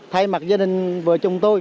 thay mặt gia đình với chúng tôi